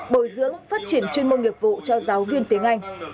bồi dưỡng phát triển chuyên môn nghiệp vụ cho giáo viên tiếng anh